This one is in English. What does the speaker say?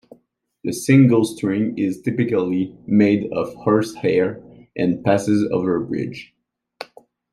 The single string is typically made of horse hair, and passes over a bridge.